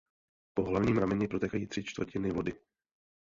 Po hlavním rameni protékají tři čtvrtiny vody.